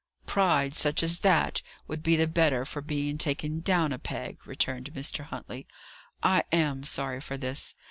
"Pride, such as that, would be the better for being taken down a peg," returned Mr. Huntley. "I am sorry for this.